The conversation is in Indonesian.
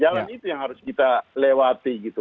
jadi jalan itu yang harus kita lewati gitu